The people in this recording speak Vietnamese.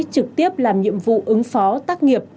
trực tiếp làm nhiệm vụ ứng phó tác nghiệp